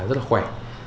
rất là khỏe